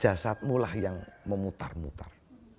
jasadmu lah yang memutar mutar